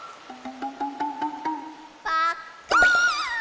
パッカーン！